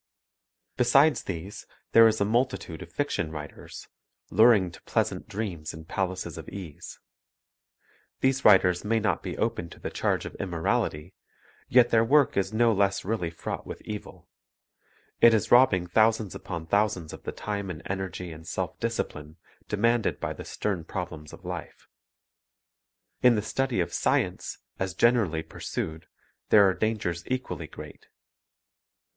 Besides these there is a multitude of fiction writers, luring to pleasant dreams in palaces of ease. These writers may not be open to the charge of immorality, yet their work is no less really fraught with evil. It is robbing thousands upon thousands of the time and energy and self discipline demanded by the stern prob lems of life. In the study of science, as generally pursued, there are dangers equally great.